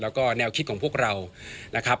แล้วก็แนวคิดของพวกเรานะครับ